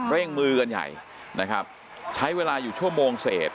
เร่งมือกันใหญ่นะครับใช้เวลาอยู่ชั่วโมงเศษ